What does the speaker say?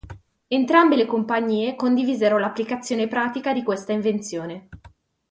Entrambe le compagnie condivisero l'applicazione pratica di questa invenzione.